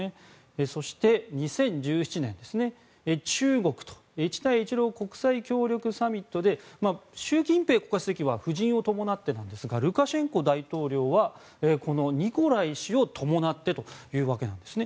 そして、２０１７年、中国との一帯一路国際協力サミットで習近平国家主席は夫人を伴ってなんですがルカシェンコ大統領はこのニコライ氏を伴ってというわけなんですね。